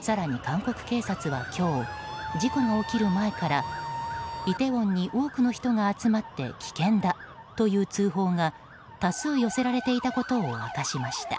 更に韓国警察は今日事故が起きる前からイテウォンに多くの人が集まって危険だという通報が多数寄せられていたことを明かしました。